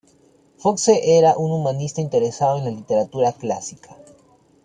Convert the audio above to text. Foxe era un humanista interesado en la literatura clásica.